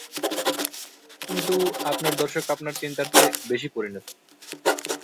কিন্তু আপনার দর্শক আপনার চিন্তার চেয়ে বেশি পরিণত।